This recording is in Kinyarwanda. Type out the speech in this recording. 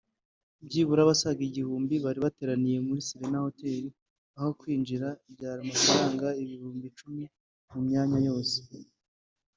byibura abasaga igihumbi bari bateraniye muri Serena Hotel aho kwinjira byari amafaranga ibihumbi icumi mu myanya yose